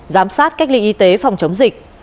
giám sát cách ly y tế phòng chống dịch